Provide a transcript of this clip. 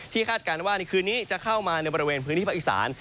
คาดการณ์ว่าในคืนนี้จะเข้ามาในบริเวณพื้นที่ภาคอีสาน